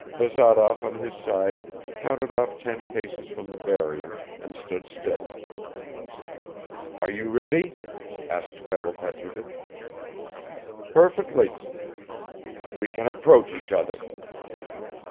Bazarov on his side counted off ten paces from the barrier and stood still. "Are you ready?" asked Pavel Petrovich. "Perfectly." "We can approach each other."